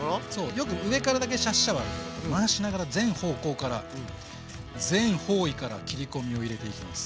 よく上からだけシャッシャはあるけど回しながら全方向から全方位から切り込みを入れていきます。